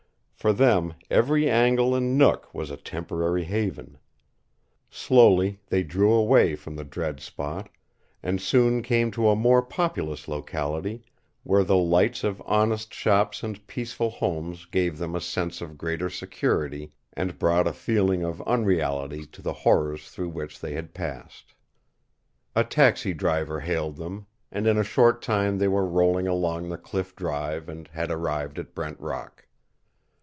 For them every angle and nook was a temporary haven. Slowly they drew away from the dread spot, and soon came to a more populous locality where the lights of honest shops and peaceful homes gave them a sense of greater security and brought a feeling of unreality to the horrors through which they had passed. A taxi driver hailed them, and in a short time they were rolling along the Cliff Drive and had arrived at Brent Rock.